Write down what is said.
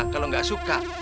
kalau gak suka